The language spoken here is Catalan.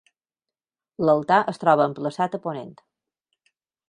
L'altar es troba emplaçat a ponent.